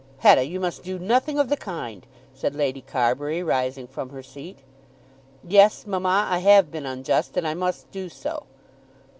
"Hetta, you must do nothing of the kind," said Lady Carbury, rising from her seat. "Yes, mamma. I have been unjust, and I must do so."